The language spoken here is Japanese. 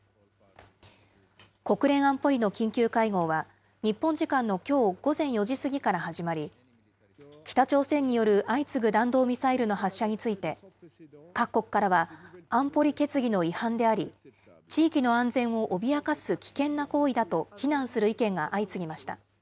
国連安保理の緊急会合は、日本時間のきょう午前４時過ぎから始まり、北朝鮮による相次ぐ弾道ミサイルの発射について、各国からは、安保理決議の違反であり、地域の安全を脅かす危険な行為だと非難する意見が相次ぎました。